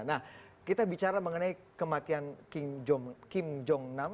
nah kita bicara mengenai kematian kim jong nam